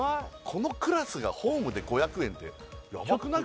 このクラスがホームで５００円ってヤバくない？